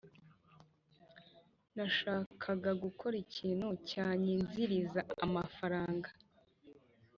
Nashakaga gukora ikintu cyanyinziriza amafaranga